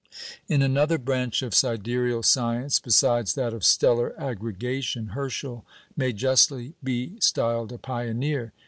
In another branch of sidereal science besides that of stellar aggregation, Herschel may justly be styled a pioneer.